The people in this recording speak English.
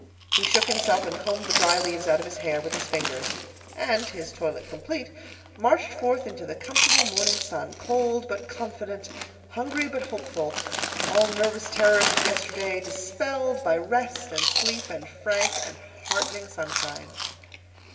He shook himself and combed the dry leaves out of his hair with his fingers; and, his toilet complete, marched forth into the comfortable morning sun, cold but confident, hungry but hopeful, all nervous terrors of yesterday dispelled by rest and sleep and frank and heartening sunshine.